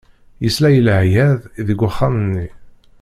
Yesla i leɛyaḍ deg uxxam-nni.